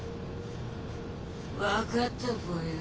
わかったぽよ。